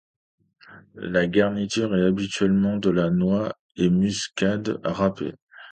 La garniture est habituellement de la noix de muscade râpée.